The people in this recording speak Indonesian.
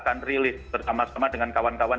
akan rilis bersama sama dengan kawan kawan